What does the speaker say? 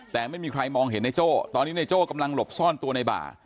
แต่ไม่มีใครมองเห็นในโจ้ตอนนี้ในโจ้กำลังหลบซ่อนตัวในบ่า